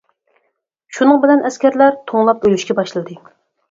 شۇنىڭ بىلەن ئەسكەرلەر توڭلاپ ئۆلۈشكە باشلىدى.